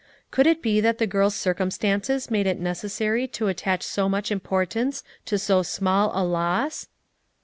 Could it be that the girl's circumstances made it necessary to attach so much importance to so small a loss?